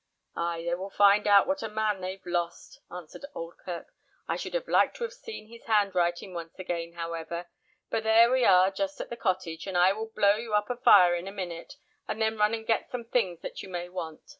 "Ay, they will find out what a man they've lost," answered Oldkirk. "I should have liked to have seen his hand writing once again, however; but here we are just at the cottage, and I will blow you up a fire in a minute, and then run and get some things that you may want.